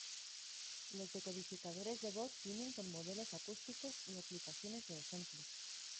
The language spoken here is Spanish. Los decodificadores de voz vienen con modelos acústicos y aplicaciones de ejemplo.